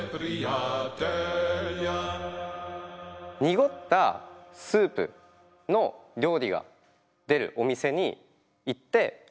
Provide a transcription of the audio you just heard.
濁ったスープの料理が出るお店に行ってごはんを食べる。